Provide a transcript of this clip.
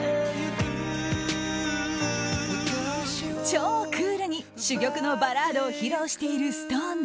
超クールに珠玉のバラードを披露しているＳｉｘＴＯＮＥＳ。